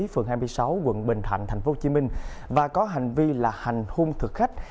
phường hai mươi sáu quận bình thạnh tp hcm và có hành vi là hành hung thực khách